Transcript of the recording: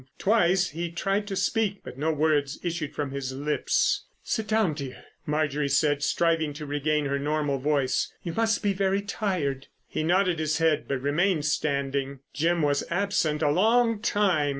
Twice he tried to speak, but no words issued from his lips. "Sit down, dear," Marjorie said, striving to regain her normal voice. "You must be very tired." He nodded his head but remained standing. Jim was absent a long time.